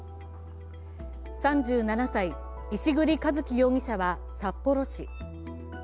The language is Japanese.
３７歳、石栗一樹容疑者は札幌市。